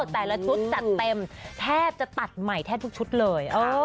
แต่ละชุดจัดเต็มแทบจะตัดใหม่แทบทุกชุดเลย